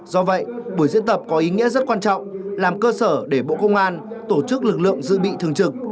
do vậy buổi diễn tập có ý nghĩa rất quan trọng làm cơ sở để bộ công an tổ chức lực lượng dự bị thường trực